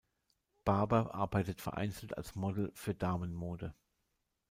Barber arbeitet vereinzelt als Model für Damenmode.